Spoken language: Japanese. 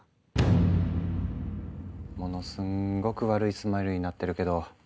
ものすごく悪いスマイルになってるけど。